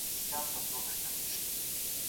د هبې او رجوع احکام څه دي؟